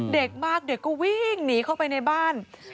เด็กมากเด็กก็วิ่งหนีเข้าไปในบ้าน